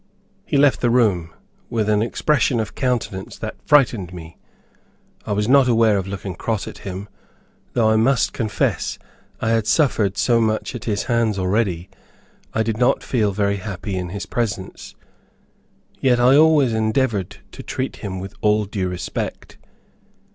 He left the room, with an expression of countenance that frightened me. I was not aware of looking cross at him, though I must confess I had suffered so much at his hands already, I did not feel very happy in his presence; yet I always endeavored to treat him with all due respect.